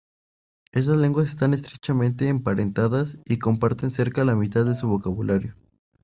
Estas lenguas están estrechamente emparentadas, y comparten cerca la mitad de su vocabulario.